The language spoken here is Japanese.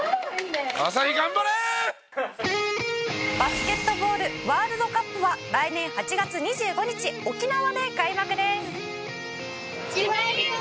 「バスケットボールワールドカップは来年８月２５日沖縄で開幕です」